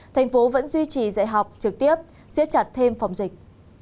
thành phố vẫn duy trì dạy học trực tiếp xếp chặt thêm phòng dịch